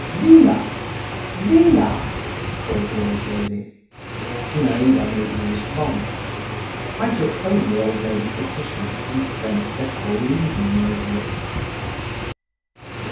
"Zina, Zina!" called the old lady. Zinaïda made no response. I took home the old lady's petition and spent the whole evening over it.